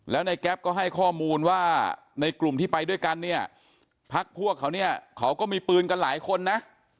แล้วในแก๊ปก็ให้ข้อมูลว่าในกลุ่มที่ไปด้วยกันเนี่ยพักพวกเขาเนี่ยเขาก็มีปืนกันหลายคนนะ